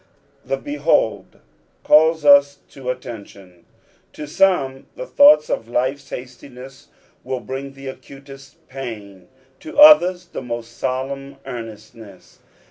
The " behold " calls us to attention ; to some the thoughts of life's hastiness will bring the acuteat pain, to others the most solemn earnestness.